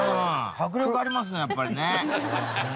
迫力ありますねやっぱりね。